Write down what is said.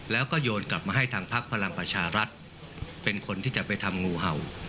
แล้วก็โยนกลับมาให้ทางพักพลังประชารัฐเป็นคนที่จะไปทำงูเห่า